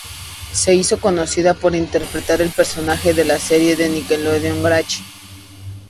Se hizo conocida por interpretar el personaje de en la serie de Nickelodeon "Grachi".